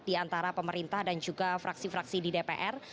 di antara pemerintah dan juga fraksi fraksi di dpr